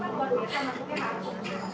kemudian yang kedua adalah